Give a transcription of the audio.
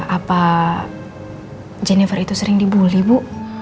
apa jennifer itu sering dibully bu